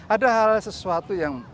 ada hal sesuatu yang